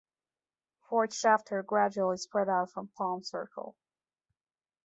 Fort Shafter gradually spread out from Palm Circle.